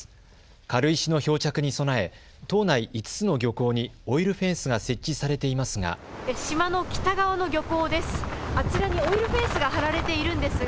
軽石の漂着に備え、島内５つの漁港にオイルフェンスが設置されていますが。